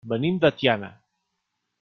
Venim de Tiana.